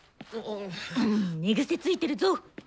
寝癖ついてるぞ！